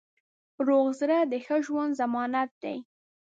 روغ زړه د ښه ژوند ضمانت دی.